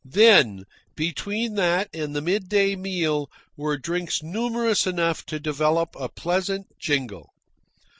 Then, between that and the midday meal, were drinks numerous enough to develop a pleasant jingle.